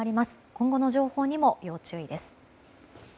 今後の情報にも要注意です。